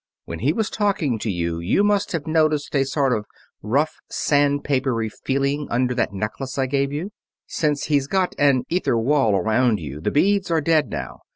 When he was talking to you you must have noticed a sort of rough, sandpapery feeling under that necklace I gave you? Since he's got an ether wall around you the beads are dead now.